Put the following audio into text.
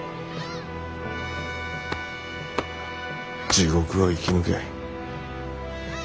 地獄を生き抜け。